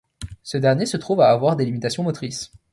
Ce dernier se trouve à avoir des limitations motrices.